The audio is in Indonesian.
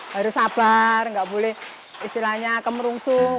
harus sabar nggak boleh istilahnya kemerungsung